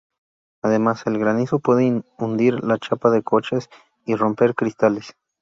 Además, el granizo puede hundir la chapa de coches y ¡romper cristales!